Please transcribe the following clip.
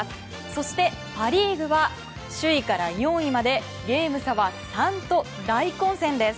そして、パ・リーグは首位から４位までゲーム差は３と大混戦です。